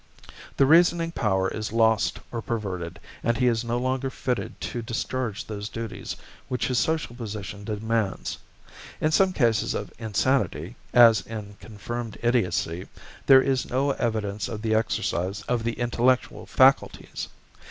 The reasoning power is lost or perverted, and he is no longer fitted to discharge those duties which his social position demands. In some cases of insanity, as in confirmed idiocy, there is no evidence of the exercise of the intellectual faculties.